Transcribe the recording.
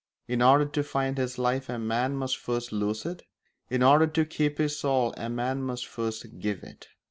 In order to find his life a man must first lose it; in order to keep his soul a man must first give it.